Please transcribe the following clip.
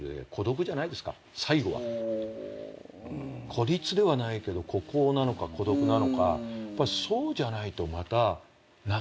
孤立ではないけど孤高なのか孤独なのかそうじゃないとまたなかなか。